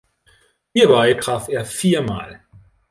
Hierbei traf er viermal.